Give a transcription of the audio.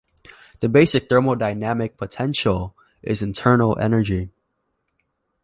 The basic thermodynamic potential is internal energy.